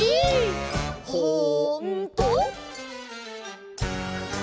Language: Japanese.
「ほんとー？」